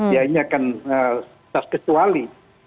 ini akan kita kecuali